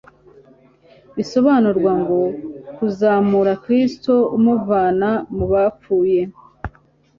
Bisobanurwa ngo : Kuzamura Kristo umuvana mu bapfuye....